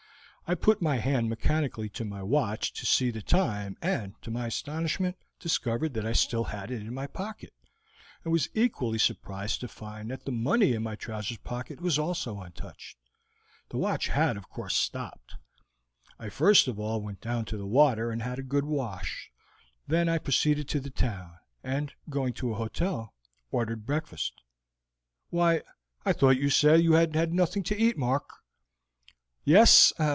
I put my hand mechanically to my watch to see the time, and to my astonishment discovered that I still had it in my pocket, and was equally surprised to find that the money in my trousers' pockets was also untouched. The watch had, of course, stopped. I first of all went down to the water and had a good wash; then I proceeded to the town, and, going to a hotel, ordered breakfast." "Why, I thought you said that you had had nothing to eat, Mark." "Yes?